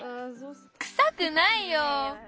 くさくないよ。